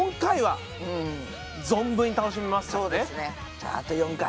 じゃああと４回。